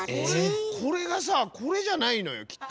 これがさこれじゃないのよきっと。